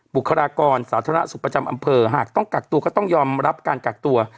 บุคลากรสาธารณสุขประจำอำเภอหากต้องกักตัวก็ต้องยอมรับการกักตัว